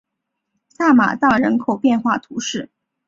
萨马藏人口变化图示